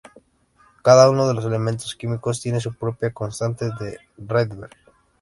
Cada uno de los elementos químicos tiene su propia constante de Rydberg.